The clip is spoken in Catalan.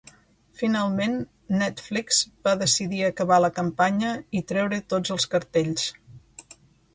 Finalment, Netflix va decidir acabar la campanya i treure tots els cartells.